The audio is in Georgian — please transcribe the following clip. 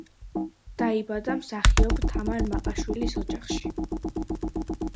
დაიბადა მსახიობ თამარ მაყაშვილის ოჯახში.